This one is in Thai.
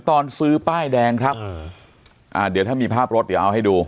ตอนซื้อป้ายแดงครับอ่าเดี๋ยวถ้ามีภาพรถเดี๋ยวเอาให้ดู